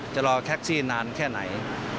จะรอแท็กซี่นานแค่ไหน